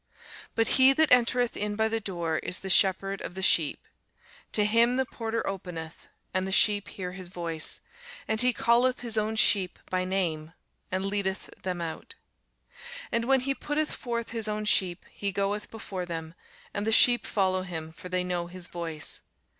But he that entereth in by the door is the shepherd of the sheep. To him the porter openeth; and the sheep hear his voice: and he calleth his own sheep by name, and leadeth them out. And when he putteth forth his own sheep, he goeth before them, and the sheep follow him: for they know his voice.